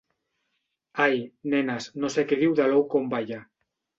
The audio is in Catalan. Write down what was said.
Ai, nenes, no sé què diu de l'ou com balla.